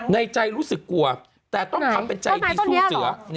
ในใจรู้สึกกลัวแต่ต้องทำเป็นใจดีสู้เสือ